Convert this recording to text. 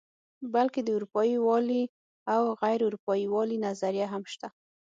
بلکې د اروپايي والي او غیر اروپايي والي نظریه هم شته.